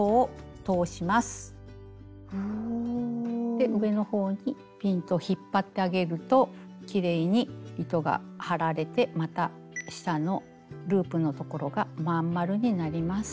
で上の方にピンと引っ張ってあげるときれいに糸が張られてまた下のループのところが真ん丸になります。